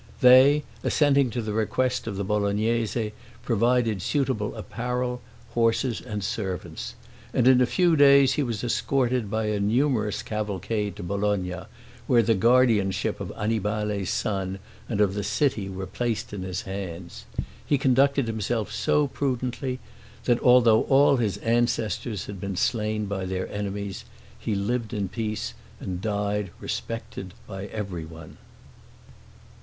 They, assenting to the request of the Bolognese, provided suitable apparel, horses, and servants; and in a few days he was escorted by a numerous cavalcade to Bologna, where the guardianship of Annibale's son and of the city were placed in his hands. He conducted himself so prudently, that although all his ancestors had been slain by their enemies, he lived in peace and died respected by everyone.